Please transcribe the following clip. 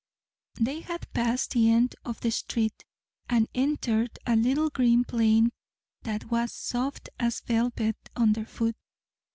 They had passed the end of the street, and entered a little green plain that was soft as velvet underfoot.